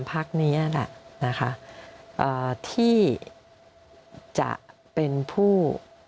๓ภาคนี้นะคะที่จะเป็นผู้